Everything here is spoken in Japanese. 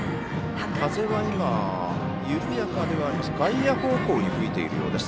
風は、今緩やかではありますが外野方向に吹いているようです。